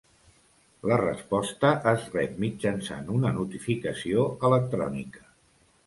La resposta es rep mitjançant una notificació electrònica.